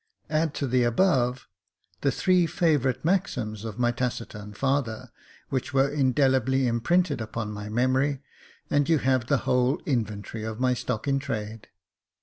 Add to the above, the three favourite maxims of my taciturn father, which were indelibly imprinted upon my memory, and you have the whole inventory of my stock in trade.